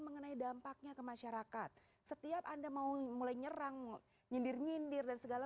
mengenai dampaknya ke masyarakat setiap anda mau mulai nyerang nyindir nyindir dan segala